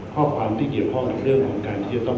ข้อความที่เกี่ยวข้อทุกเรื่องของการทิเชียต้อง